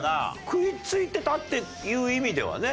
食いついてたっていう意味ではね。